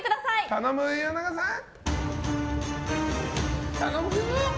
頼む、岩永さん。